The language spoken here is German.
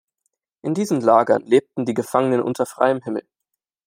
In diesen Lagern lebten die Gefangenen unter freiem Himmel.